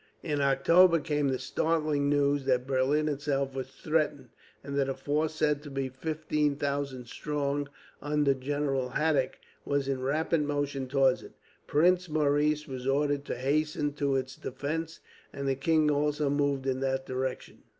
In October came the startling news that Berlin itself was threatened, and that a force, said to be fifteen thousand strong, under General Haddick, was in rapid motion towards it. Prince Maurice was ordered to hasten to its defence, and the king also moved in that direction.